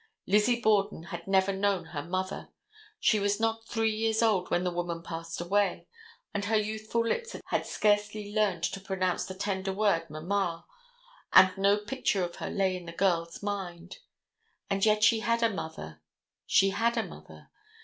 Lizzie Borden had never known her mother. She was not three years old when that woman passed away, and her youthful lips had scarcely learned to pronounce the tender word mamma, and no picture of her lay in the girl's mind. And yet she had a mother—she had a mother.